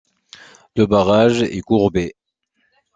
Le barrage est courbé.